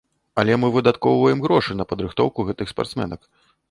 Але мы выдаткоўваем грошы на падрыхтоўку гэтых спартсменак.